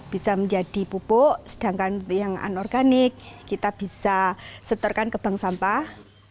bisa menjadi pupuk sedangkan yang anorganik kita bisa setorkan kebang sampah